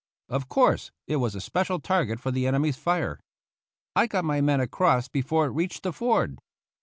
Of course, it was a special tar get for the enemy's fire. I got my men across before it reached the ford.